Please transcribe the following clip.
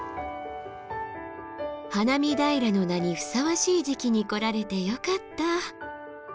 「花見平」の名にふさわしい時期に来られてよかった！